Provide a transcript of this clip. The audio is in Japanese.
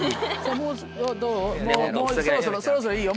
もうそろそろそろそろいいよ。